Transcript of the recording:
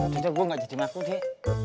aduh gua gak jadi maku deh